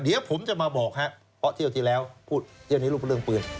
เดี๋ยวผมจะมาบอกครับเพราะเที่ยวที่แล้วพูดเที่ยวนี้รูปเรื่องปืน